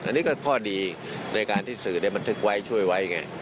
อันนี้ก็ข้อดีในการที่สื่อบันทึกไว้ช่วยไว้ไง